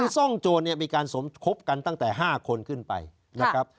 ซ่องโจรเนี่ยมีการสมคบกันตั้งแต่๕คนขึ้นไปนะครับ